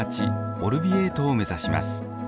オルヴィエートを目指します。